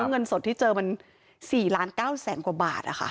แล้วเงินสดที่เจอมันสี่ล้านเก้าแสงกว่าบาทอ่ะค่ะ